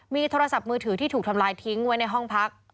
มีโทรศัพท์มือถือที่ถูกทำลายทิ้งไว้ในห้องพัก